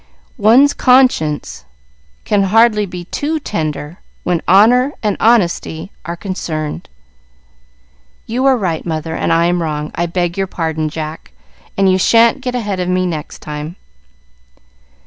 One's conscience can hardly be too tender when honor and honesty are concerned." "You are right, mother, and I am wrong. I beg your pardon, Jack, and you sha'n't get ahead of me next time."